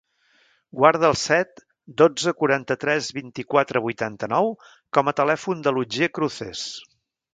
Guarda el set, dotze, quaranta-tres, vint-i-quatre, vuitanta-nou com a telèfon de l'Otger Cruces.